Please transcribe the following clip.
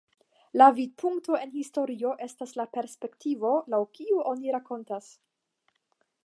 La vidpunkto en historio estas la perspektivo laŭ kiu oni rakontas.